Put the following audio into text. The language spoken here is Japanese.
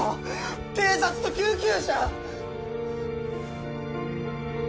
警察と救急車！